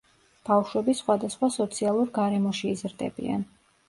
ბავშვები სხვადასხვა სოციალურ გარემოში იზრდებიან.